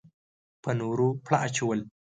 په نورو پړه اچول.